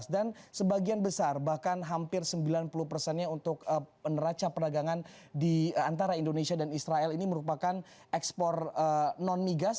dan sebagian besar bahkan hampir sembilan puluh persennya untuk neraca perdagangan di antara indonesia dan israel ini merupakan ekspor non migas